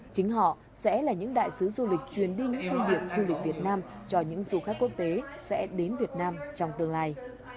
chính họ sẽ là những đại sứ du lịch chuyên đinh thay việc du lịch việt nam cho những du khách quốc tế sẽ đến việt nam trong tương lai